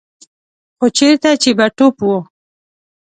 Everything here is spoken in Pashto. خو چېرته چې به توپ و.